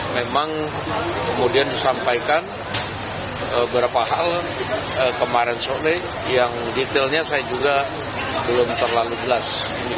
memang kemudian disampaikan beberapa hal kemarin sore yang detailnya saya juga belum terlalu jelas